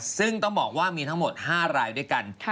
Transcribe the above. ซึ่งต้องบอกว่ามีทั้งหมด๕รายด้วยกัน